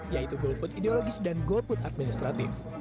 yaitu golput ideologis dan golput administratif